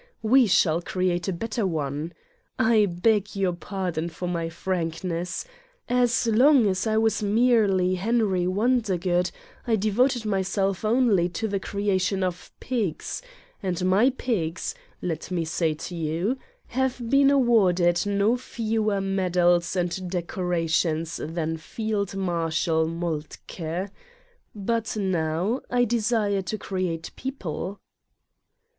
We shall create a bet ter one. I beg your pardon for my frankness. jAs long as I was merely Henry Wondergood I devoted myself only to the creation of pigs and my pigs, let me say to you, have been awarded no fewer medals and decorations than Field Marshal Moltke. But now I desire to create people."